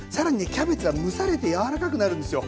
キャベツは蒸されて柔らかくなるんですよ。